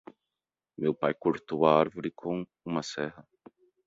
Meu pai cortou a árvore com uma serra.